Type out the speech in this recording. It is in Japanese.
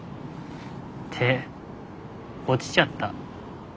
手落ちちゃった。